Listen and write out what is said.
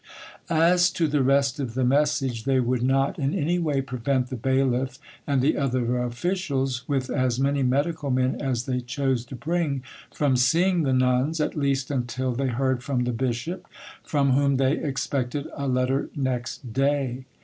As to the rest of the message, they would not, in any way prevent the bailiff and the other officials, with as many medical men as they chose to bring, from seeing the nuns, at least until they heard from the bishop, from whom they expected a letter next day.